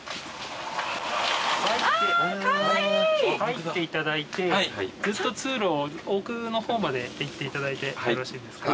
入っていただいてずっと通路を奥の方まで行っていただいてよろしいですか。